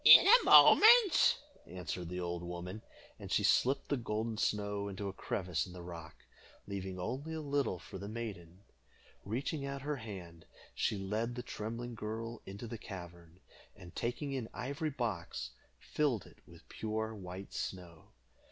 "In a moment," answered the old woman, and she slipped the golden snow into a crevice in the rock, leaving only a little for the maiden. Reaching out her hand, she led the trembling girl into the cavern, and, taking an ivory box, filled it with pure white snow.